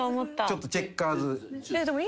ちょっとチェッカーズ。